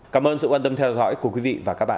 cảm ơn sự quan tâm theo dõi của quý vị và các bạn